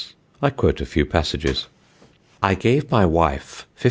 I quote a few passages: "I gave my wyfe 15_s.